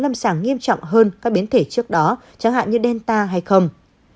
lâm sàng nghiêm trọng hơn các biến thể trước đó chẳng hạn như delta hay không